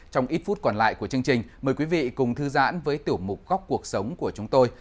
trong ít phút còn lại của chương trình mời quý vị cùng thư giãn với tiểu mục góc cuộc sống của chúng tôi